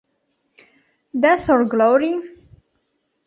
Death or Glory?